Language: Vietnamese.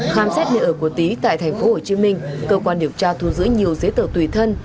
khám xét nơi ở của tý tại thành phố hồ chí minh cơ quan điều tra thu giữ nhiều giấy tờ tùy thân